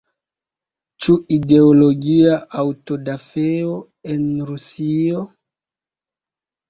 Ĉu ideologia aŭtodafeo en Rusio?